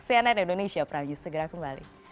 cnn indonesia praju segera kembali